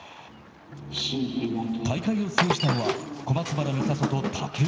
大会を制したのは小松原美里と尊。